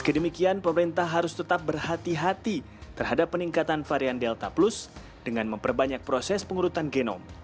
kedemikian pemerintah harus tetap berhati hati terhadap peningkatan varian delta plus dengan memperbanyak proses pengurutan genom